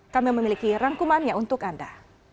kami memiliki rangkumannya untuk anda